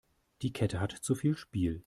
Die Kette hat zu viel Spiel.